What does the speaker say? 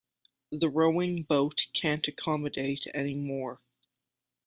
The rowing boat can't accommodate any more.